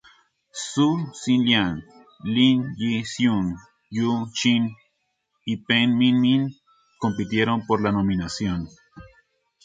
Hsu Hsin-liang, Lin Yi-hsiung, You Ching y Peng Ming-min compitieron por la nominación.